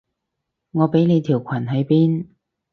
我畀你條裙喺邊？